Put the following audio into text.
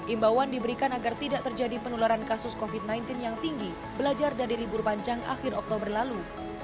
imbauan diberikan agar tidak terjadi penularan kasus covid sembilan belas yang tinggi belajar dari libur panjang akhir oktober lalu